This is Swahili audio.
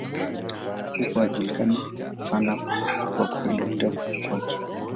Huko alijulikana sana kwa kupenda vitabu kwake.